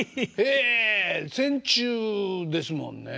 戦中ですもんね。